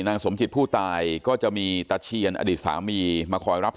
สมจิตผู้ตายก็จะมีตะเชียนอดีตสามีมาคอยรับศพ